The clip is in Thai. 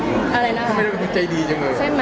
อืมใช่ไหม